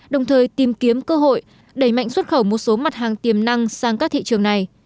đồng thời tìm kiếm cơ hội đẩy mạnh xuất khẩu một số mặt hàng tiềm năng sang các thị trường này